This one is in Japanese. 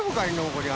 こりゃ。